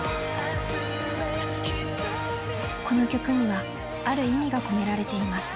この曲にはある意味が込められています。